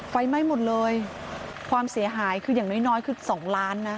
ไฟไหม้หมดเลยความเสียหายคืออย่างน้อยน้อยคือสองล้านนะ